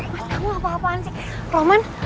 kamu apa apaan sih roman